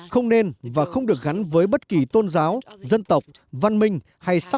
không nên và không được gắn với bất kỳ tôn giáo dân tộc văn minh hay sắc